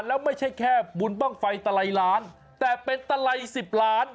แล้วไม่ใช่แค่บุญบ้างไฟตะไลล้านแต่เป็นตะไลสิบล้าน